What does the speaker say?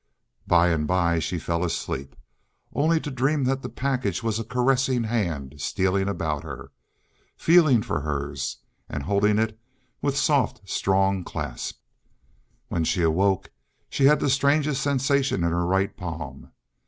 By and by she fell asleep, only to dream that the package was a caressing hand stealing about her, feeling for hers, and holding it with soft, strong clasp. When she awoke she had the strangest sensation in her right palm.